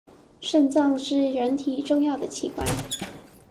腎臟是人體重要的器官